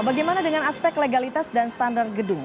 bagaimana dengan aspek legalitas dan standar gedung